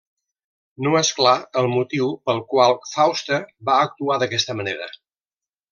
No és clar el motiu pel qual Fausta va actuar d'aquesta manera.